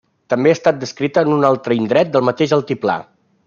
També ha estat descrita en un altre indret del mateix altiplà.